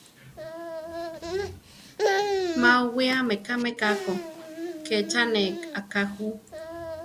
Má owiámi kame ká ko, ké cha ne; aká ju.